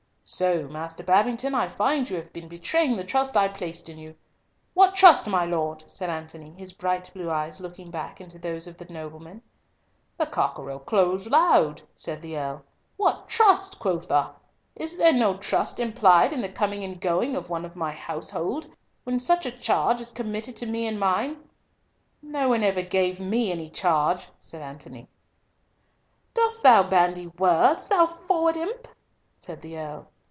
"So, Master Babington, I find you have been betraying the trust I placed in you—" "What, trust, my Lord?" said Antony, his bright blue eyes looking back into those of the nobleman. "The cockerel crows loud," said the Earl. "What trust, quotha! Is there no trust implied in the coming and going of one of my household, when such a charge is committed to me and mine?" "No one ever gave me any charge," said Antony. "Dost thou bandy words, thou froward imp?" said the Earl.